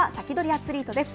アツリートです。